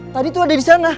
tadi tuh ada di sana